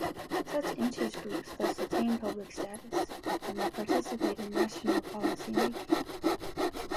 Such interest groups thus attain public status, and they participate in national policymaking.